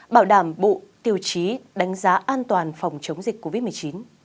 bảo đảm bộ tiêu chí đánh giá an toàn phòng chống dịch covid một mươi chín